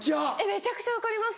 めちゃくちゃ分かります。